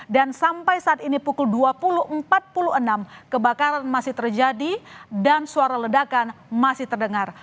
dan sampai saat ini pukul dua puluh empat puluh enam kebakaran masih terjadi dan suara ledakan masih terdengar